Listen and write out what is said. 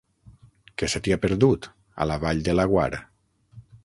Què se t'hi ha perdut, a la Vall de Laguar?